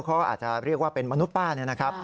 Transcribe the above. เขาก็อาจจะเรียกว่าเป็นมนุษย์ป้า